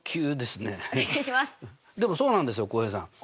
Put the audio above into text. でもそうなんですよ浩平さん。